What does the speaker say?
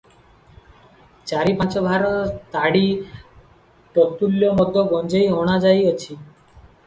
ଚାରି ପାଞ୍ଚ ଭାର ତାଡ଼ି, ତତ୍ତୁଲ୍ୟ ମଦ ଗଞ୍ଜେଇ ଅଣା ଯାଇଅଛି ।